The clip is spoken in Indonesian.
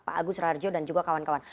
pak agus raharjo dan juga kawan kawan